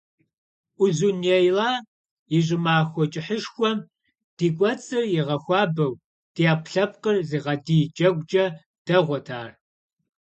Узуняйла и щӀымахуэ кӀыхьышхуэм ди кӀуэцӀыр игъэхуабэу, ди Ӏэпкълъэпкъыр зыгъэдий джэгукӀэ дэгъуэт ар.